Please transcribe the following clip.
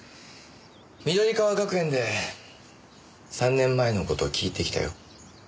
緑川学園で３年前の事聞いてきたよ。